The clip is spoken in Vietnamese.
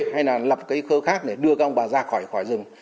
hay là lập cái cơ khác để đưa các ông bà ra khỏi rừng